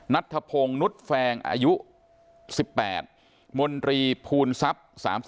นัทธพงศ์นุษย์แฟงอายุ๑๘มนตรีภูนทรัพย์๓๔